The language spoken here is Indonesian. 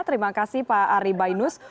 terima kasih pak ari bainus